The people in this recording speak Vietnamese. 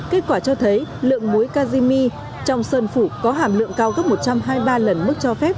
kết quả cho thấy lượng muối kazimi trong sơn phủ có hàm lượng cao gấp một trăm hai mươi ba lần mức cho phép